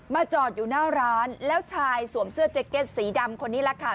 จอดอยู่หน้าร้านแล้วชายสวมเสื้อเจ๊เก็ตสีดำคนนี้แหละค่ะ